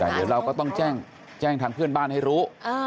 แต่เดี๋ยวเราก็ต้องแจ้งทางเพื่อนบ้านให้รู้